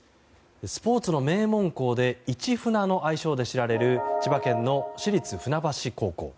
スポーツの名門校で市船の愛称で知られる千葉県の市立船橋高校。